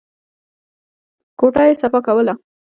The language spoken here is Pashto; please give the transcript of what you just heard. کوټه يې صفا کوله.